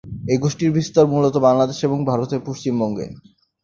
এই গোষ্ঠীর বিস্তার মূলত বাংলাদেশ এবং ভারতের পশ্চিমবঙ্গে।